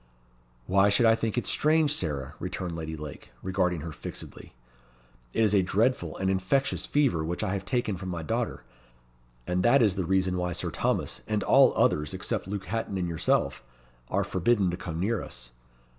"Why should I think it strange, Sarah?" returned Lady Lake, regarding her fixedly. "It is a dreadful and infectious fever which I have taken from my daughter; and that is the reason why Sir Thomas, and all others, except Luke Hatton and yourself, are forbidden to come near us.